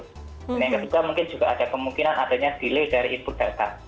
dan yang ketiga mungkin juga ada kemungkinan adanya delay dari input data